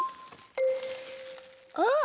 あっ！